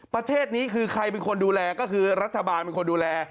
ประเทศนี้คือใครเป็นคนดูแลก็คือรัฐบาลเป็นคนดูแล